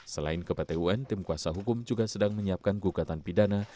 selain ke pt un tim kuasa hukum juga sedang menyiapkan gugatan pidana